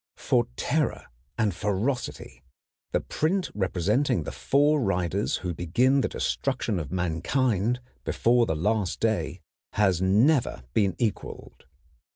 For terror and ferocity the print representing the four riders who begin the destruction of mankind before the last day has never been equaled.